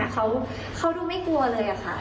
เขาดูไม่กลัวเลยค่ะ